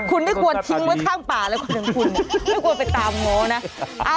คุณไม่กลัวทิ้งไว้ข้างป่าเลยคุณไม่กลัวไปตามง้อนะ